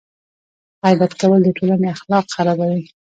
غیبت کول د ټولنې اخلاق خرابوي.